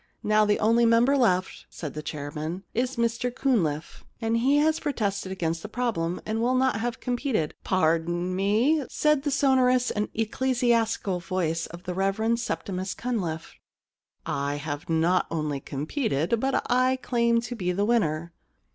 * Now the only member left,* said the chairman, * is Mr Cunliffe, and as he pro tested against the problem, and will not have competed '* Pardon me,' said the sonorous and ecclesi astical voice of the Rev. Septimus Cunliffe. * I have not only competed, but I claim to be the winner.'